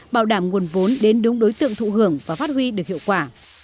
bảo đảm nguồn vốn đến đúng đối tượng thụ hưởng và phát huy được hiệu quả